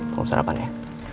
mau sarapan ya